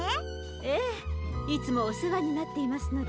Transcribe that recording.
ええいつもおせわになっていますので。